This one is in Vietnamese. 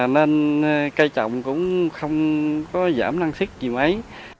nên cây trồng cũng không có giảm năng suất gì mấy